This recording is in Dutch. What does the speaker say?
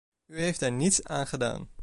U heeft daar niets aan gedaan.